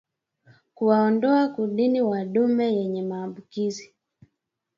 Kuwaondoa kundini madume yenye maambukizi